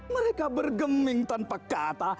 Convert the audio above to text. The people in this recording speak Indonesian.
mereka bergeming tanpa kata